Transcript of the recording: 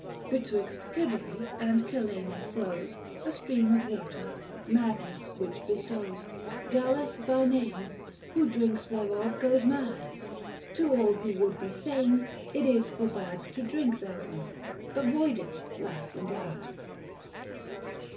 405 " Betwixt Cybele and Celsene flows, A stream of water, madness which bestows, Gallus by name : who drinks thereof goes mad, To all who would be sane, it is forbad To drink thereof — avoid it lass and lad."